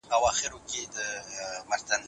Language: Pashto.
ایا تاسو د ارجنټاین سپک خواړه چیپا تجربه کړې ده؟